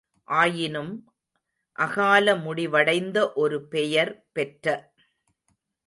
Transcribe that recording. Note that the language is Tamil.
ஆயினும், அகால முடிவடைந்த ஒரு பெயர் பெற்ற